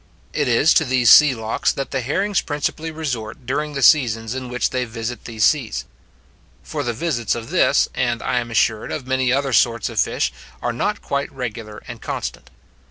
It is to these sea lochs that the herrings principally resort during the seasons in which they visit these seas; for the visits of this, and, I am assured, of many other sorts of fish, are not quite regular and constant.